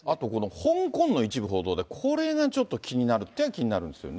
香港の一部報道で、これがちょっと気になるっちゃ気になるんですよね。